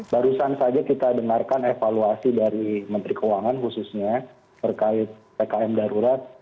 barusan saja kita dengarkan evaluasi dari menteri keuangan khususnya terkait pkm darurat